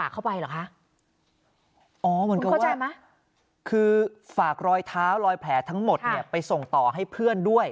คือฝากรอยเท้ารอยแผลทั้งหมดไปส่งต่อให้เพื่อนด้วย